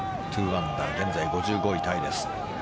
２アンダー現在５５位タイです。